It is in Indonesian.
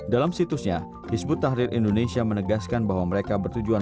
dalam situsnya hizbut tahrir indonesia menegaskan bahwa mereka bertujuan